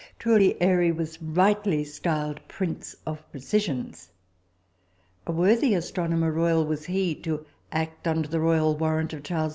Truly, Airy was rightly styled "prince of precisians." A worthy Astronomer Royal was he, to act under the royal warrant of Charles II.